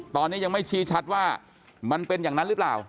ตอนนี้ยังไม่ชี้ชัดว่ามันเป็นอย่างนั้นหรือเปล่า